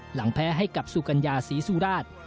หลังแพ้ให้กับสุกัญญาศรีสุราช